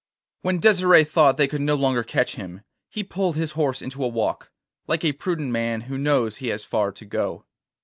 III When Desire thought they could no longer catch him, he pulled his horse into a walk, like a prudent man who knows he has far to go.